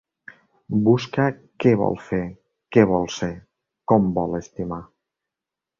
Busca què vol fer, què vol ser, com vol estimar.